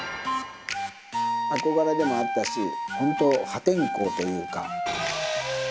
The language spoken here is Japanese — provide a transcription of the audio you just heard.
憧れでもあったし、本当、破天荒というか。